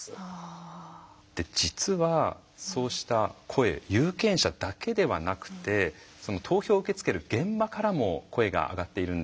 で実はそうした声有権者だけではなくてその投票を受け付ける現場からも声が上がっているんです。